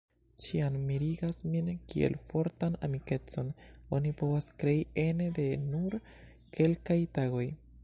Ĉiam mirigas min kiel fortan amikecon oni povas krei ene de nur kelkaj tagoj.